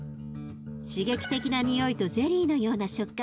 刺激的なにおいとゼリーのような食感。